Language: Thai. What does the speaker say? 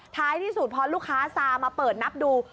ท้ายที่สุดพอลูกค้าซามาเปิดนับดู